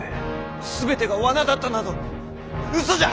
全てが罠だったなど嘘じゃ！